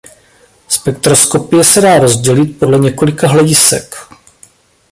Spektroskopie se dá rozdělit podle několika hledisek.